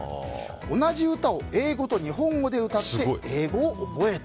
同じ歌を英語と日本語で歌って英語を覚えた。